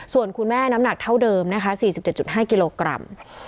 ส่วนคุณแม่น้ำหนักเท่าเดิมนะคะสี่สิบเจ็ดจุดห้ายกิโลกรัม